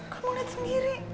kamu lihat sendiri